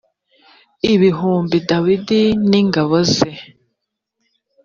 ibihumbi dawidi n ingabo ze